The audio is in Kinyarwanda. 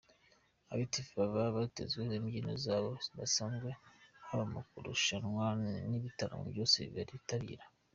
Active baba bitezweho imbyino zabo bidasanzwe haba mu marushanwa n’ibitaramo byose bitabira.